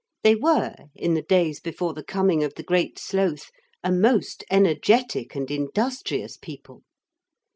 They were, in the days before the coming of the Great Sloth, a most energetic and industrious people.